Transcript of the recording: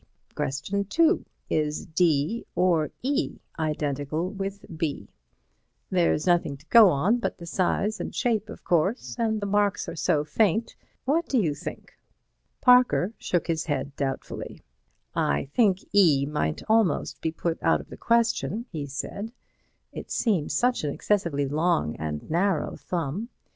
Question 2. Is D or E identical with B? There's nothing to go on but the size and shape, of course, and the marks are so faint—what do you think?" Parker shook his head doubtfully. "I think E might almost be put out of the question," he said, "it seems such an excessively long and narrow thumb.